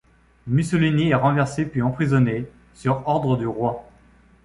Mussolini est renversé puis emprisonné, sur ordre du roi.